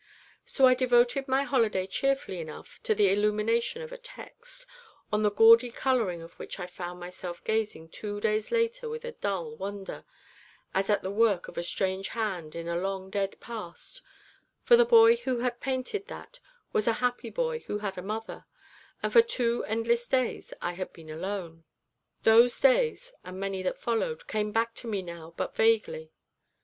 So I devoted my holiday cheerfully enough to the illumination of a text, on the gaudy colouring of which I found myself gazing two days later with a dull wonder, as at the work of a strange hand in a long dead past, for the boy who had painted that was a happy boy who had a mother, and for two endless days I had been alone. Those days, and many that followed, come back to me now but vaguely.